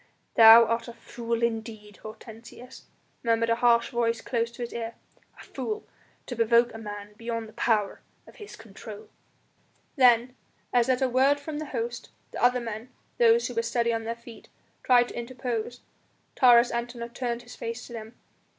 "Thou art a fool indeed, Hortensius," murmured a harsh voice close to his ear; "a fool to provoke a man beyond the power of his control." Then as at a word from the host, the other men those who were steady on their feet tried to interpose, Taurus Antinor turned his face to them.